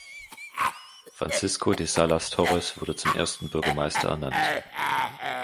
Francisco de Salas Torres wurde zum ersten Bürgermeister ernannt.